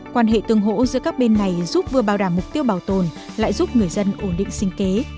quan hệ tương hỗ giữa các bên này giúp vừa bảo đảm mục tiêu bảo tồn lại giúp người dân ổn định sinh kế